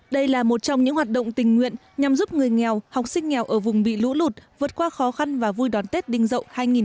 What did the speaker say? đây là một trong những hoạt động tình nguyện nhằm giúp người nghèo học sinh nghèo ở vùng bị lũ lụt vượt qua khó khăn và vui đón tết đinh dậu hai nghìn hai mươi